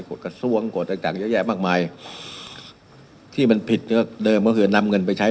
กฎกระทรวงกฎต่างต่างเยอะแยะมากมายที่มันผิดเดิมก็คือนำเงินไปใช้